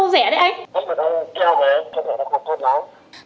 mật ong keo đấy không phải nó còn khôn lắm